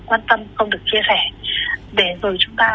chúng ta có thể thắng được cái dịch bệnh covid một mươi chín